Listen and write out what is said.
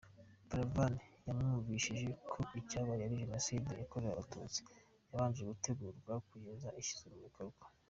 Buravan yamwumvishije ko icyabaye ari Jenoside yakorewe Abatutsi, yabanje gutegurwa kugeza ishyizwe mu bikorwa.